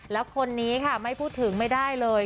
แล้วคนนี้ค่ะไม่พูดถึงไม่ได้เลย